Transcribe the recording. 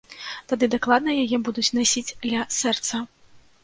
Тады дакладна яе будуць насіць ля сэрца!